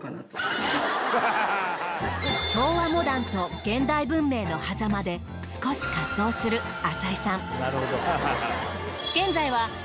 昭和モダンと現代文明のはざまで少し葛藤する淺井さん。